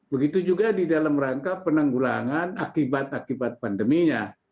begitu juga di dalam rangka penanggulangan akibat akibat pandeminya